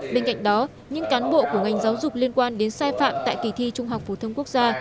bên cạnh đó những cán bộ của ngành giáo dục liên quan đến sai phạm tại kỳ thi trung học phổ thông quốc gia